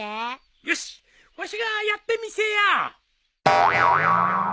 よしわしがやってみせよう。